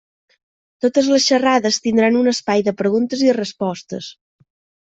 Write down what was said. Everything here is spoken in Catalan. Totes les xerrades tindran un espai de preguntes i respostes.